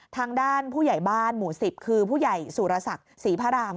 ทางด้านผู้ใหญ่บ้านหมู่๑๐คือผู้ใหญ่สุรศักดิ์ศรีพระราม